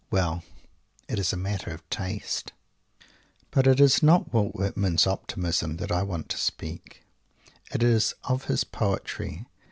Well! It is a matter of taste. But it is not of Walt Whitman's Optimism that I want to speak; it is of his poetry.